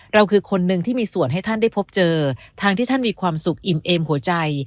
คือคนหนึ่งที่มีส่วนให้ท่านได้พบเจอทางที่ท่านมีความสุขอิ่มเอมหัวใจ